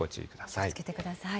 気をつけてください。